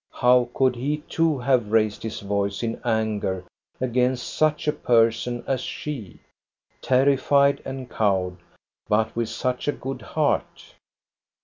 How could he too have raised his voice in anger against such a person as she, — terrified and cowed, but with such a good heart